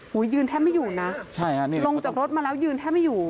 ยืนแทบไม่อยู่นะใช่ฮะนี่ลงจากรถมาแล้วยืนแทบไม่อยู่